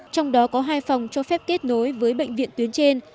trong đó có hai phòng cho phép kết nối với bệnh viện tuyến trên